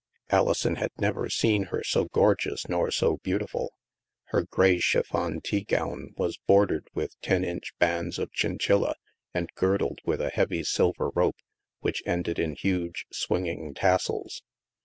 Alison had never seen her so gorgeous, nor so beautiful. Her gray chiffon tea gown was bordered with ten inch bands of chinchilla and girdled with a heavy silver rope which ended in huge swinging tassels.